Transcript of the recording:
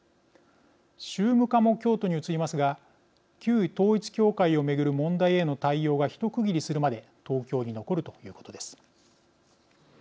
宗務課も京都に移りますが旧統一教会を巡る問題への対応が一区切りするまで東京に残るということです。